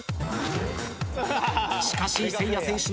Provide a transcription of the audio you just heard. しかしせいや選手の作戦